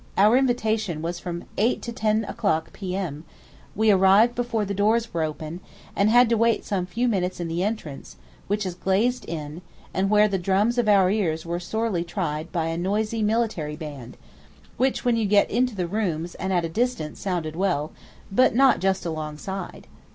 Our invitation was from 8 to 10 o'clock P.M.: we arrived before the doors were open, and had to wait some few minutes in the entrance, which is glazed in, and where the drums of our ears were sorely tried by a noisy military band, which when you get into the rooms and at a distance sounded well, but not just alongside.